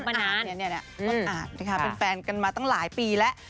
ต้นอาจนะคะเป็นแฟนกันมาตั้งหลายปีแล้ว